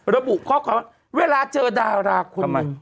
ระบุข้อความว่าเวลาเจอดาราคนหนึ่ง